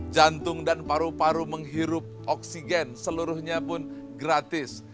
jantung dan paru paru menghirup oksigen seluruhnya pun gratis